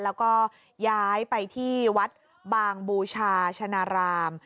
แล้วก็ย้ายไปที่วัดบางบูชาชนาราม